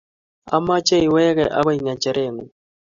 omeche iweke agoi ngecheree ng'ung